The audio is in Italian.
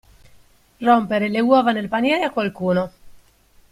Rompere le uova nel paniere a qualcuno.